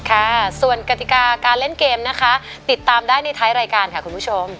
ค่ะส่วนกติกาการเล่นเกมนะคะติดตามได้ในท้ายรายการค่ะคุณผู้ชม